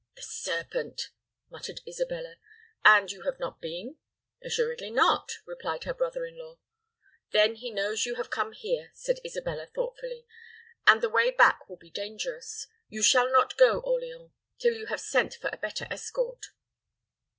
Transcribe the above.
"The serpent!" muttered Isabella. "And you have not been?" "Assuredly not," replied her brother in law. "Then he knows you have come here," said Isabella, thoughtfully; "and the way back will be dangerous. You shall not go, Orleans, till you have sent for a better escort."